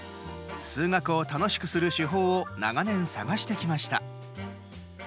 数学を楽しくする手法を長年、探してきました。